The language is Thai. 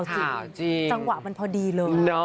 จังหวะมันพอดีเลย